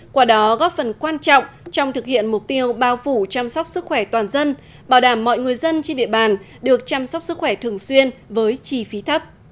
qua đó góp phần quan trọng trong thực hiện mục tiêu bao phủ chăm sóc sức khỏe toàn dân bảo đảm mọi người dân trên địa bàn được chăm sóc sức khỏe thường xuyên với chi phí thấp